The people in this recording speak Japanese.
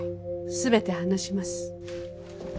全て話します。